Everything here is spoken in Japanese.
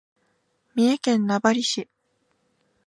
三重県名張市